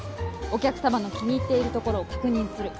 お客様の気に入っているところを確認する。